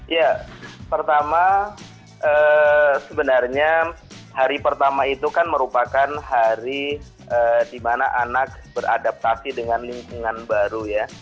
ya pertama sebenarnya hari pertama itu kan merupakan hari di mana anak beradaptasi dengan lingkungan baru ya